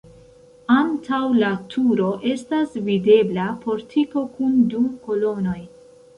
Antaŭ la turo estas videbla portiko kun du kolonoj.